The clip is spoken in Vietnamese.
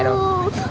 thế bố mẹ đâu